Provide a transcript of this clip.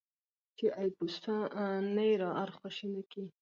چې اېپوسه نه یې ارخوشي نه کي.